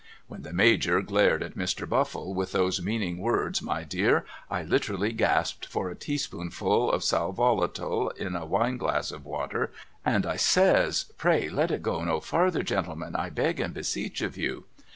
When the Major glared at Mr. Buffle with those meaning words my dear I literally gasped for a teaspoonful of salvolatile in a wineglass of water, and I says ' Pray let it go no farther gentlemen I beg and beseech of you